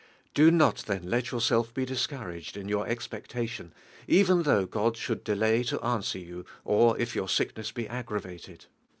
Do not then iet yourself be discouraged in your expecta tion even though God should delay to answer you, or if your sickness be aggra vated.